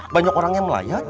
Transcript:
banyak orang yang melihat